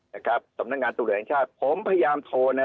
นะครับสำนักงานตรวจแห่งชาติผมพยายามโทรนะ